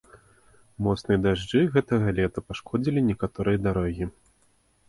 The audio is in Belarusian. Моцныя дажджы гэтага лета пашкодзілі некаторыя дарогі.